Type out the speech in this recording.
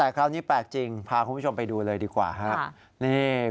แต่คราวนี้แปลกจริงพาคุณผู้ชมไปดูเลยดีกว่าครับ